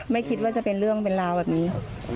ไม่คิดว่าจะเป็นเรื่องเป็นราวแบบนี้